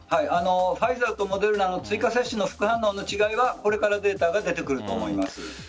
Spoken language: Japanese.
ファイザーとモデルナの追加接種の副反応の違いはこれからデータが出てくると思います。